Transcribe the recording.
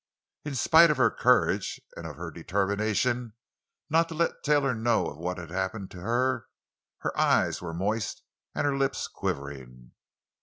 In spite of her courage, and of her determination not to let Taylor know of what had happened to her, her eyes were moist and her lips quivering.